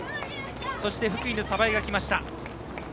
そして、福井の鯖江が来ました。